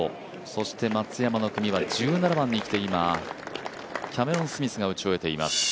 そして松山の組は１７番に来て今キャメロン・スミスが打ち終えています。